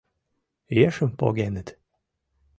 Ешым погеныт.